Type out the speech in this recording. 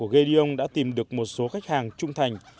các ngân hàng của gediung đã tìm được một số khách hàng trung thành